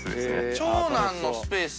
長男のスペース？